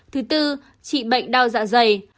thứ bốn trị bệnh đau dạ dày